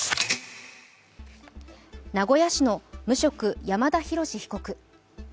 名古屋市の無職・山田広志被告。